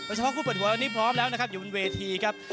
เฉพาะคู่เปิดหัวเรานี่พร้อมแล้วนะครับอยู่บนเวทีครับ